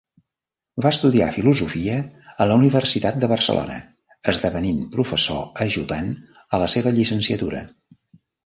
Va estudiar filosofia a la Universitat de Barcelona, esdevenint professor ajudant a la seva llicenciatura.